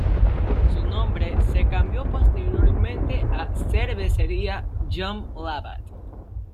Su nombre se cambió posteriormente a Cervecería John Labatt.